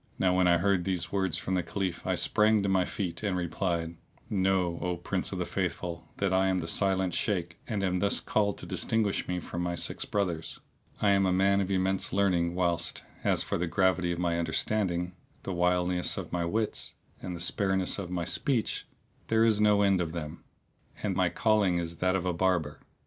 Now when I heard these words from the Caliph I sprang to my feet and replied, "Know, O Prince of the Faithful, that I am the Silent Shaykh and am thus called to distinguish me from my six brothers. I am a man of immense learning whilst, as for the gravity of my understanding, the wiliness of my wits and the spareness of my speech, there is no end of them; and my calling is that of a barber.